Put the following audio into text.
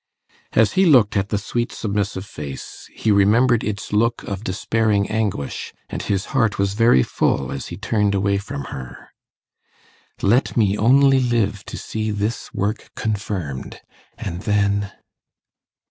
As he looked at the sweet submissive face, he remembered its look of despairing anguish, and his heart was very full as he turned away from her. 'Let me only live to see this work confirmed, and then